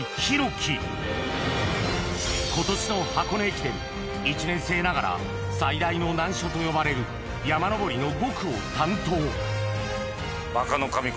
今年の箱根駅伝１年生ながら最大の難所と呼ばれるそうなんですね。